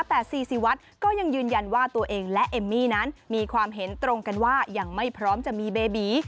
แต่ซีซีวัดก็ยังยืนยันว่าตัวเองและเอมมี่นั้นมีความเห็นตรงกันว่ายังไม่พร้อมจะมีเบบี